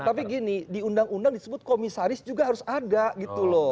tapi gini di undang undang disebut komisaris juga harus ada gitu loh